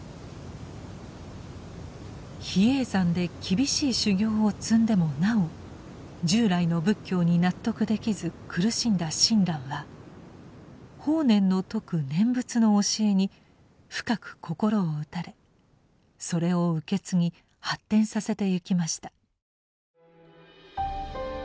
比叡山で厳しい修行を積んでもなお従来の仏教に納得できず苦しんだ親鸞は法然の説く念仏の教えに深く心を打たれそれを受け継ぎ発展させてゆきました。